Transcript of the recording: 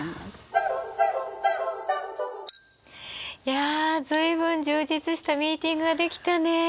いや随分充実したミーティングができたね。